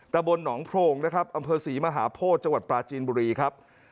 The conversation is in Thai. ตะบนหนองโพรงนะครับอำเภอศรีมหาโพธิจังหวัดปลาจีนบุรีครับ